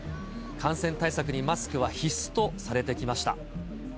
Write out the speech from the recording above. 感染対策にマスクは必須とされてきました。